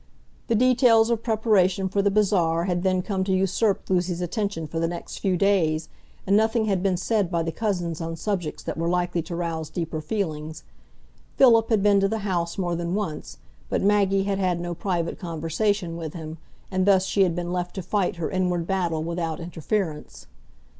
The details of preparation for the bazaar had then come to usurp Lucy's attention for the next few days, and nothing had been said by the cousins on subjects that were likely to rouse deeper feelings. Philip had been to the house more than once, but Maggie had had no private conversation with him, and thus she had been left to fight her inward battle without interference.